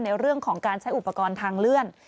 ในเรื่องของการใช้อุปกรณ์ทางเลื่อน